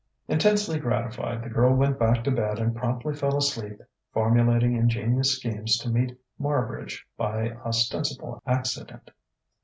Intensely gratified, the girl went back to bed and promptly fell asleep formulating ingenious schemes to meet Marbridge by ostensible accident.